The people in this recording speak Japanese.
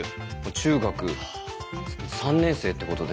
中学３年生ってことで。